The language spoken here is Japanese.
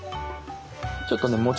ちょっとね